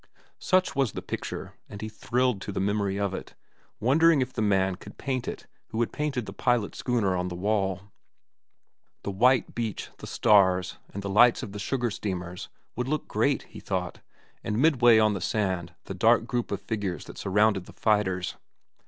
Such was the picture, and he thrilled to the memory of it, wondering if the man could paint it who had painted the pilot schooner on the wall. The white beach, the stars, and the lights of the sugar steamers would look great, he thought, and midway on the sand the dark group of figures that surrounded the fighters.